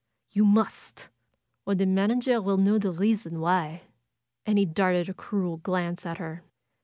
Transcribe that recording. "You must ! Or the manager will know the reason why!" And he darted a cruel glance at her.